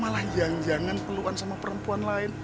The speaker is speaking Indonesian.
malah yang jangan keluan sama perempuan lain